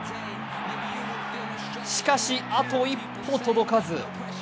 しかし、あと一歩届かず。